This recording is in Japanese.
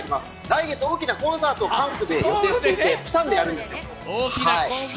来月大きなコンサートを予定していてプサンでやるんですよ。